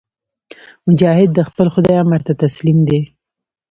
مجاهد د خپل خدای امر ته تسلیم دی.